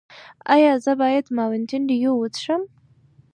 ایا زه باید ماونټین ډیو وڅښم؟